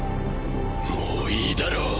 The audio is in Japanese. もういいだろ。